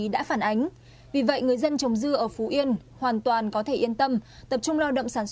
để phòng ngừa ngăn chặn kịp thời